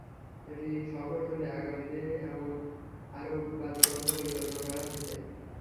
এটি সফল হলে আগামী দিনে এমন আরও বাতি বসানোর পরিকল্পনা করা হয়েছে।